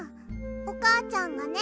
おかあちゃんがね